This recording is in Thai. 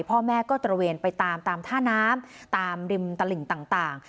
พ่อแม่ก็ตระเวนไปตามตามท่าน้ำตามริมตลิ่งต่าง